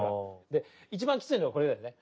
で一番きついのはこれだよね。